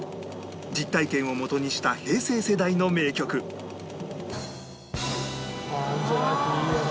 実体験をもとにした平成世代の名曲「アンジェラ・アキいいよね」